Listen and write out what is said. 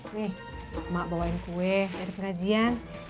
nih mak bawain kue dari pengajian